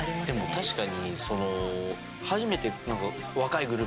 でも確かに。